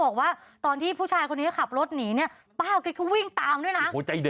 เค้าเลยยิบแก้วกาแฟข้องกฎ